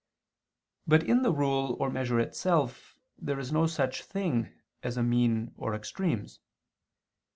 But in the rule or measure itself there is no such thing as a mean or extremes.